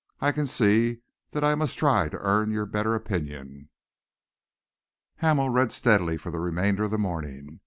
"I can see that I must try to earn your better opinion." Hamel read steadily for the remainder of the morning.